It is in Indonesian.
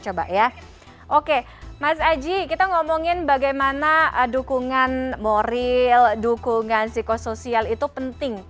coba ya oke mas aji kita ngomongin bagaimana dukungan moral dukungan psikosoial itu penting